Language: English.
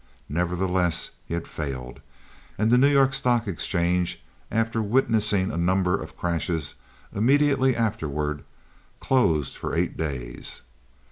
Nevertheless, he had failed; and the New York Stock Exchange, after witnessing a number of crashes immediately afterward, closed for eight days.